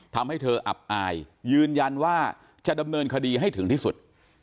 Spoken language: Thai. ทำให้เธออับอายยืนยันว่าจะดำเนินคดีให้ถึงที่สุด